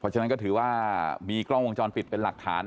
ฉะนั้นก็ถือว่ามีกล้องวงจรปิดเป็นหลักฐาน